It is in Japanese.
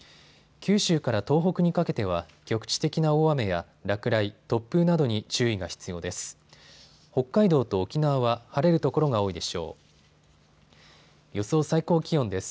九州から東北にかけては局地的な大雨や落雷、突風などに注意が必要です。